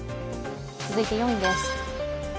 続いて４位です。